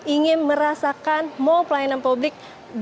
ingin merasakan mall pelayanan publik